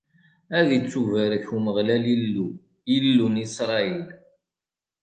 Ad ittubarek Umeɣlal Illu, Illu n Isṛayil.